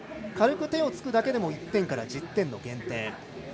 軽く手をつくだけでも１点から１０点の減点。